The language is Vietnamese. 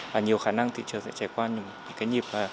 và nhiều khả năng thị trường sẽ trải qua những cái nhịp